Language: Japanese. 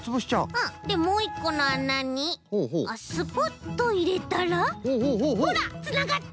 うんでもういっこのあなにスポッといれたらほらつながった！